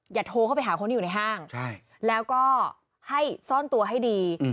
โทรเข้าไปหาคนที่อยู่ในห้างแล้วก็ให้ซ่อนตัวให้ดี